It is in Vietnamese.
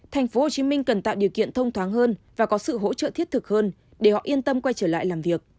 tp hcm cần tạo điều kiện thông thoáng hơn và có sự hỗ trợ thiết thực hơn để họ yên tâm quay trở lại làm việc